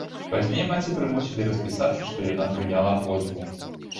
Пазней маці прымусілі распісацца, што яна прыняла позву.